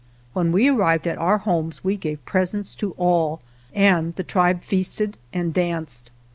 When we arrived at our homes we gave presents to all, and the tribe feasted and danced.